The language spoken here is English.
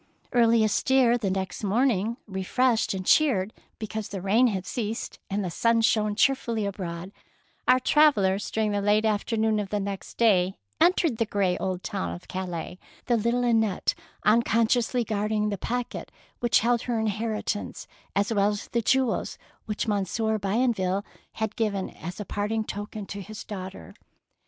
Early astir the next morning, re freshed and cheered because the rain had ceased and the sun shone cheer fully abroad, our travellers during the late afternoon of the next day entered the grey old town of Calais, the little Annette unconsciously guarding the packet which held her inheritance as well as the jewels which Monsieur Bienville had given as a parting token to his daughter.